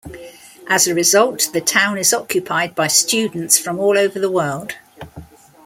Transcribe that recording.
As a result, the town is occupied by students from all over the world.